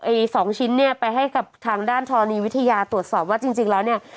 สองชิ้นเนี่ยไปให้กับทางด้านธรณีวิทยาตรวจสอบว่าจริงจริงแล้วเนี่ย